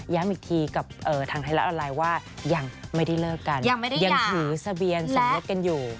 อีกทีกับทางไทยรัฐออนไลน์ว่ายังไม่ได้เลิกกันยังถือทะเบียนสมรสกันอยู่